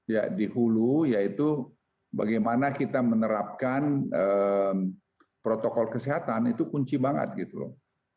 ya di hulu yaitu bagaimana kita menerapkan protokol kesehatan itu kunci banget gitu loh